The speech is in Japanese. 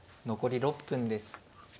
残り６分です。